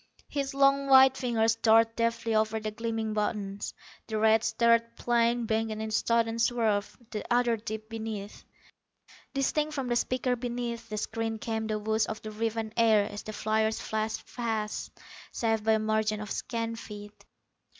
His long white fingers darted deftly over the gleaming buttons. The red starred plane banked in a sudden swerve; the other dipped beneath. Distinct from the speaker beneath the screen came the whoosh of the riven air as the fliers flashed past, safe by a margin of scant feet.